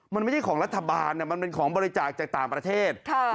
มันไม่ใช่ของรัฐบาลมันเป็นของบริจาคจากต่างประเทศ